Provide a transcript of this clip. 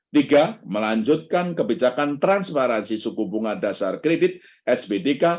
tiga melanjutkan kebijakan transparansi suku bunga dasar kredit sbdk